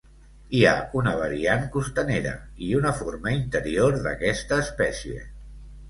Hi ha una variant costanera i una forma interior d'aquesta espècie.